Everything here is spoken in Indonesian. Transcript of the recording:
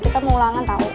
kita mau ulangan tau